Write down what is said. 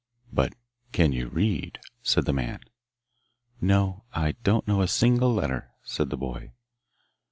'But can you read?' said the man. 'No, I don't know a single letter,' said the boy.